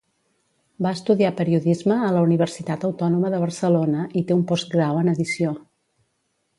Va estudiar Periodisme a la Universitat Autònoma de Barcelona i té un postgrau en Edició.